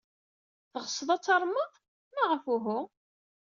Teɣsed ad tarmed? Maɣef uhu?